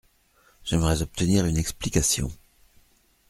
J’aimerais obtenir une explication.